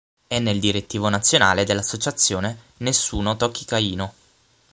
È nel direttivo nazionale dell'associazione Nessuno tocchi Caino.